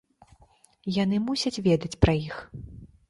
Яны мусяць ведаць пра іх.